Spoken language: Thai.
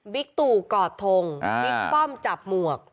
ตู่กอดทงบิ๊กป้อมจับหมวก